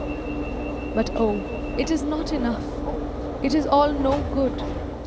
But oh, it is not enough, it is all no good.